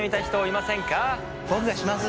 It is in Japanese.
僕がします！